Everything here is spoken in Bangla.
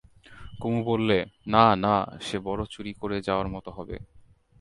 কুমু বললে, না, না, সে বড়ো চুরি করে যাওয়ার মতো হবে।